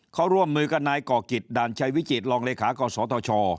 เขาร่วมมือกับนายกกิตดชวิจิตรรลกศธ